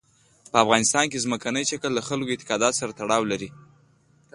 په افغانستان کې ځمکنی شکل د خلکو اعتقاداتو سره تړاو لري.